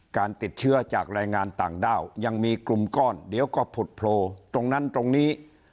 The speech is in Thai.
การติดเชื้อจากแรงงานต่างด้าวยังมีกลุ่มก้อนเดี๋ยวก็ผุดโผล่ตรงนั้นตรงนี้